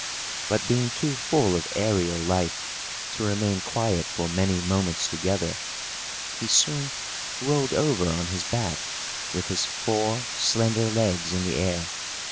But, being too full of aërial life to remain quiet for many moments together, he soon rolled over on his back, with his four slender legs in the air.